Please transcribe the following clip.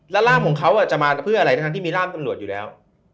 แล้วร่ามของเขาจะมาเพื่ออะไรทั้งที่มีร่ามตำรวจอยู่แล้ว